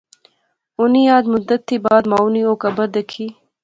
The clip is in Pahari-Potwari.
انی اج مدت تھی بعد مائو نی او قبر دیکھی